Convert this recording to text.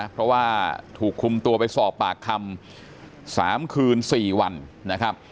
เพราะว่าถูกคุมตัวไปสอบปากคำ๓คืน๔วันนะครับ